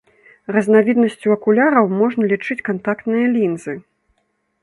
Разнавіднасцю акуляраў можна лічыць кантактныя лінзы.